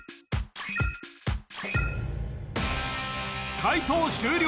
解答終了